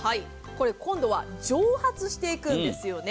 今度は蒸発していくんですよね。